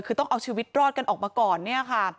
คือต้องเอาชีวิตรอดกันออกมาก่อนเนี่ยค่ะ